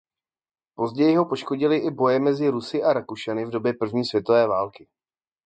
Později ho poškodily i boje mezi Rusy a Rakušany v době první světové války.